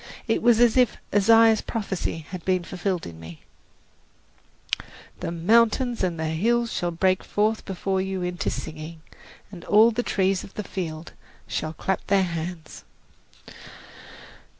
It was as if Isaiah's prophecy had been fulfilled in me, "The mountains and the hills shall break forth before you into singing, and all the trees of the field shall clap their hands!"